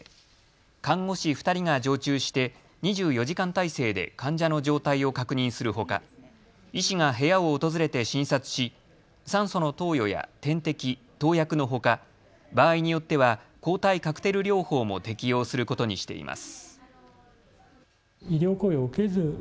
看護師２人が常駐して２４時間体制で患者の状態を確認するほか、医師が部屋を訪れて診察し酸素の投与や点滴、投薬のほか場合によっては抗体カクテル療法も適用することにしています。